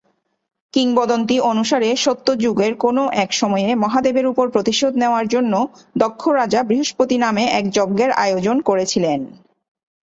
কিংবদন্তি অনুসারে, সত্য যুগের কোনও এক সময়ে মহাদেবের উপর প্রতিশোধ নেওয়ার জন্য দক্ষ রাজা বৃহস্পতি নামে এক যজ্ঞের আয়োজন করেছিলেন।